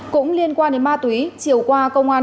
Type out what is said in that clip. cũng liên quan đến ma túy chiều qua công an huyện hạ lan